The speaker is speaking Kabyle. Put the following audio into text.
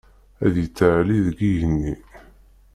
Ad yettɛelli deg igenni.